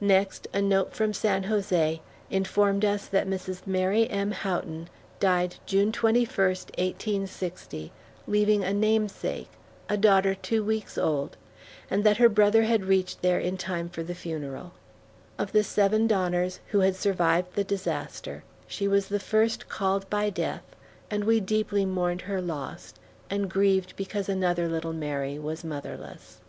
Next, a note from San Jose informed us that Mrs. Mary M. Houghton died June 21, 1860, leaving a namesake, a daughter two weeks old, and that her brother had reached there in time for the funeral. Of the seven Donners who had survived the disaster, she was the first called by death, and we deeply mourned her loss, and grieved because another little Mary was motherless.